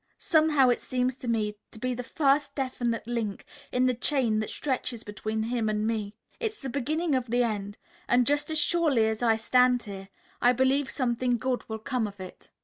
Somehow it seems to me to be the first definite link in the chain that stretches between him and me. It's the beginning of the end, and just as surely as I stand here I believe something good will come of it."